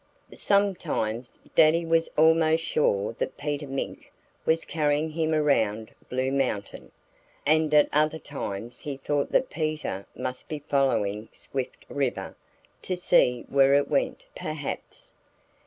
Sometimes Daddy was almost sure that Peter Mink was carrying him around Blue Mountain. And at other times he thought that Peter must be following Swift River to see where it went, perhaps.